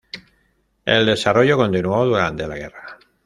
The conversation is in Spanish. El desarrollo continuó durante la guerra.